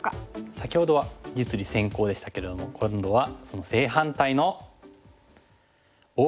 先ほどは実利先行でしたけれども今度はその正反対の。